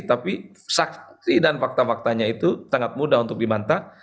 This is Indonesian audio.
tapi saksi dan fakta faktanya itu sangat mudah untuk dibantah